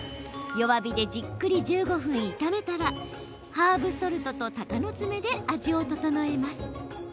弱火でじっくり１５分炒めたらハーブソルトと、たかのつめで味を調えます。